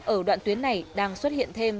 ở đoạn tuyến này đang xuất hiện thêm